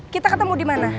kita ketemu dimana